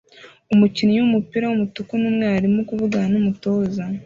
Umukinnyi wumupira wumutuku numweru arimo kuvugana numutoza